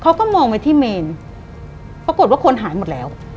เขาก็มองไว้ที่เมนปรากฏว่าคนหายหมดแล้ว